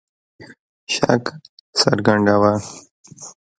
شک څرګنداوه.